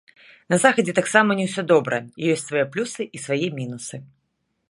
На захадзе таксама не ўсё добра, ёсць свае плюсы і свае мінусы.